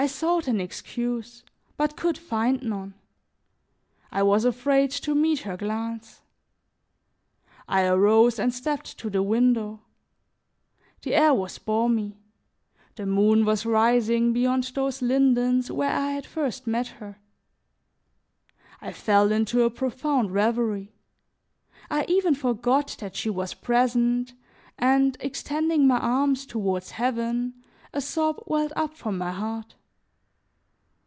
I sought an excuse, but could find none; I was afraid to meet her glance. I arose and stepped to the window. The air was balmy, the moon was rising beyond those lindens where I had first met her. I fell into a profound reverie; I even forgot that she was present and, extending my arms toward heaven, a sob welled up from my heart.